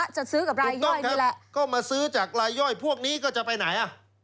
จะซื้อกับรายย่อยนี่แหละก็มาซื้อจากรายย่อยพวกนี้ก็จะไปไหนอ่ะ